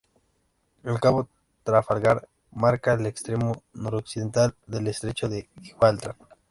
El cabo Trafalgar marca el extremo noroccidental del estrecho de Gibraltar.